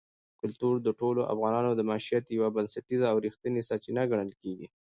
کلتور د ټولو افغانانو د معیشت یوه بنسټیزه او رښتینې سرچینه ګڼل کېږي.